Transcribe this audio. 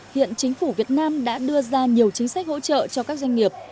hiện chính phủ việt nam đã đưa ra nhiều chính sách hỗ trợ cho các doanh nghiệp